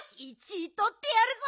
いとってやるぞ！